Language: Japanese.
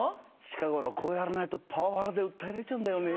近頃こうやらないとパワハラで訴えられちゃうんだよね。